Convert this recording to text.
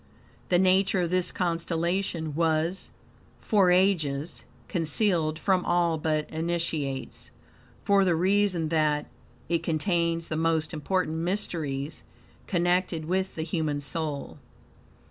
The nature of this constellation was, for ages, concealed from all but Initiates; for the reason that, it contains the most important mysteries connected with the human soul.